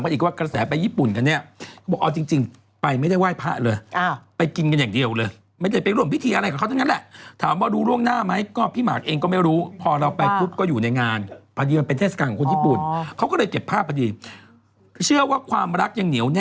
ระวังคนซื้อครีมทุกวันนี้การระบาดของครีมนี้เยอะเหลือเกิน